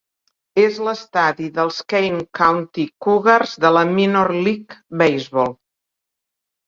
És l'estadi dels Kane County Cougars de la Minor League Baseball.